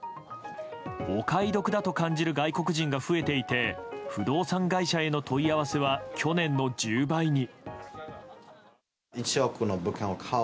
お買い得だと感じる外国人が増えていて不動産会社への問い合わせは去年の１０倍に。